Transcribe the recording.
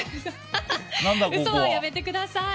嘘はやめてください。